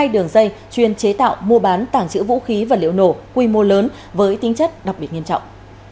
hai đường dây chuyên chế tạo mua bán tảng trữ vũ khí vật liệu nổ quy mô lớn với tính chất đặc biệt nghiêm trọng